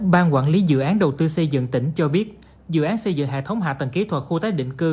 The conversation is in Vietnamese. ban quản lý dự án đầu tư xây dựng tỉnh cho biết dự án xây dựng hệ thống hạ tầng kỹ thuật khu tái định cư